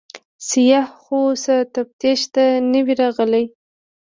سیاح خو څه تفتیش ته نه وي راغلی.